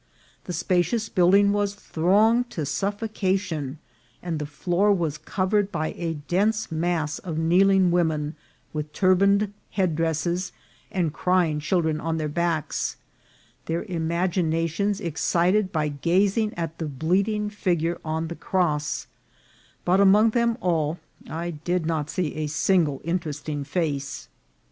The spacious building was thronged to suffoca tion, and the floor was covered by a dense mass of kneeling women, with turbaned headdresses, and cry ing children on their backs, their imaginations excited by gazing at the bleeding figure on the cross ; but among them all I did not see a single interesting face.